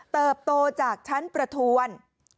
เติบโตจากชั้นประทวน